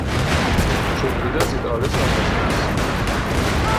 Schon wieder sieht alles anders aus.